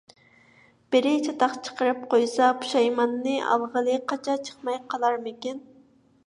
بىرى چاتاق چىقىرىپ قويسا، پۇشايماننى ئالغىلى قاچا چىقماي قالارمىكىن.